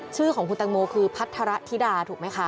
ชื่อของคุณตังโมคือพัทรธิดาถูกไหมคะ